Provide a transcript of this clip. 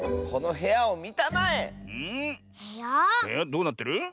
へやどうなってる？